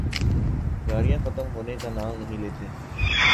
گاڑیاں ختم ہونے کا نام نہیں لیتیں۔